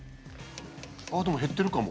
ああでも減ってるかも。